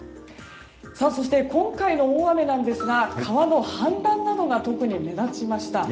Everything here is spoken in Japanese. そして今回の大雨ですが川の氾濫などが特に目立ちました。